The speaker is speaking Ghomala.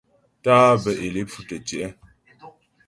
Tá'ǎ bə́ é lé pfʉ tə́ tyɛ̌'.